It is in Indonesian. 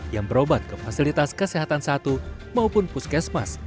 yang berobat ke fasilitas kesehatan satu maupun puskesmas